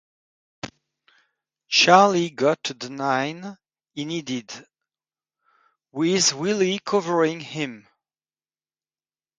Charlie got the nine he needed, with Willie covering him.